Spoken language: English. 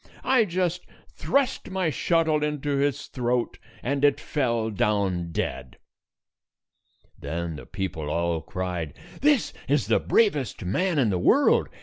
I just thrust my shuttle into its throat, and it fell down dead." Then the people all cried, "This is the bravest man in the world.